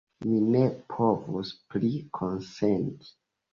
Mi ne povus pli konsenti!